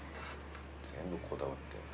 全部こだわって。